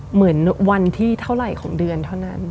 เหมือนวันที่เท่าไหร่ของเดือนเท่านั้น